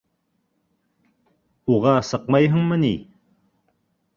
Уға сыҡмайһыңмы ни?